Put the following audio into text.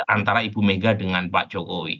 antara ibu mega dengan pak jokowi